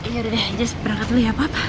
ya udah deh just berangkat dulu ya papa